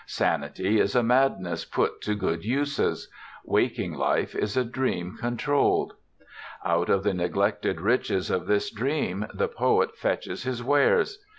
Sanity is a madness put to good uses; waking life is a dream controlled. Out of the neglected riches of this dream the poet fetches his wares.